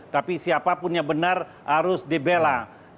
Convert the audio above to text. tapi siapapun yang benar harus dibela